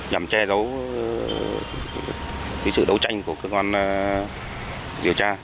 nhằm che giấu sự đấu tranh của cơ quan điều tra